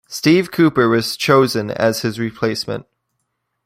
Steve Cooper was chosen as his replacement.